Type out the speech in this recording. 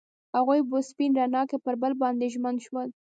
هغوی په سپین رڼا کې پر بل باندې ژمن شول.